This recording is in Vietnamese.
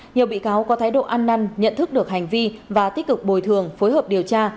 nhiều bị cáo có thái độ ăn năn nhận thức được hành vi và tích cực bồi thường phối hợp điều tra